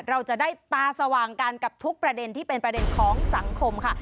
เราจะได้ตาสว่างกันกับทุกประเด็นที่เป็นประเด็นของสังคมค่ะ